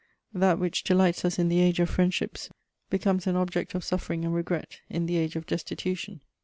_ That which delights us in the age of friendships becomes an object of suffering and regret in the age of destitution.